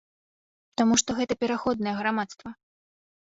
Таму што гэта пераходнае грамадства.